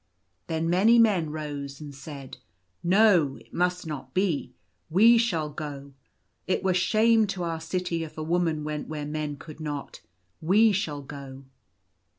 Then many men rose and said —" No ! it must not be. We shall go. It were shame to our City if a woman went where men could not. We shall go."